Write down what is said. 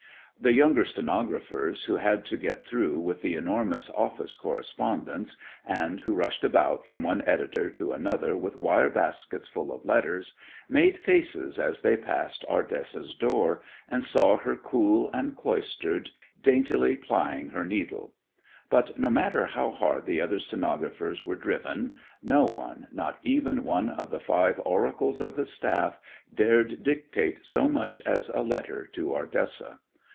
The younger stenographers, who had to get through with the enormous office correspondence, and who rushed about from one editor to another with wire baskets full of letters, made faces as they passed Ardessa's door and saw her cool and cloistered, daintily plying her needle. But no matter how hard the other stenographers were driven, no one, not even one of the five oracles of the staff, dared dictate so much as a letter to Ardessa.